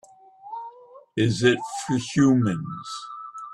Is it for humans?